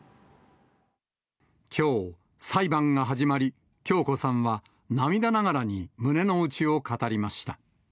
きょう、裁判が始まり、響子さんは涙ながらに胸の内を語りました。